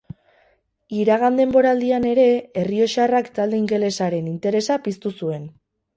Iragan denboraldian ere errioxarrak talde ingelesaren interesa piztu zuen.